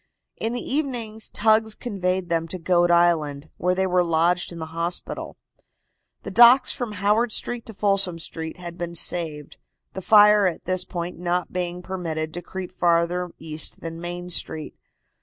In the evening tugs conveyed them to Goat Island, where they were lodged in the hospital. The docks from Howard Street to Folsom Street had been saved, the fire at this point not being permitted to creep farther east than Main Street.